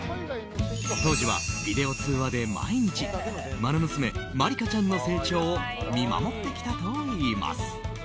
当時はビデオ通話で毎日愛娘・茉莉花ちゃんの成長を見守ってきたといいます。